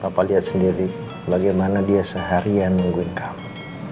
papa lihat sendiri bagaimana dia seharian nungguin come